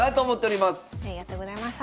ありがとうございます。